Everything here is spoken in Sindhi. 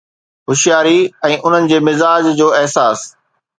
هوشياري ۽ انهن جي مزاح جو احساس